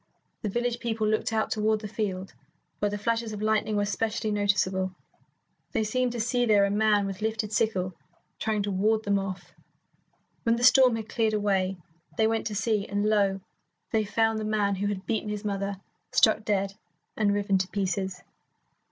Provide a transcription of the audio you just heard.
The village people looked out toward the field, where the flashes of lightning were specially noticeable. They seemed to see there a man with lifted sickle trying to ward them off. When the storm had cleared away, they went to see, and lo, they found the man who had beaten his mother struck dead and riven to pieces.